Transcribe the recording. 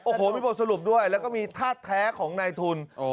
โอ้โหมีบทสรุปด้วยแล้วก็มีท่าแท้ของนายทุน